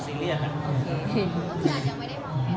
สิเรียกหรอ